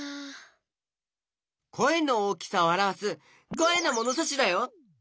こえのおおきさをあらわすこえのものさしだよ。